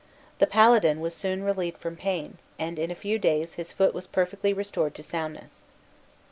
The paladin was soon relieved from pain, and in a few days his foot was perfectly restored to soundness.